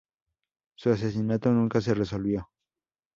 Su asesinato nunca se resolvió.